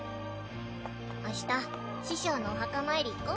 明日師匠のお墓参り行こ。